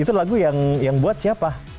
itu lagu yang buat siapa